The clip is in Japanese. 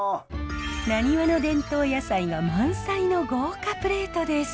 なにわの伝統野菜が満載の豪華プレートです。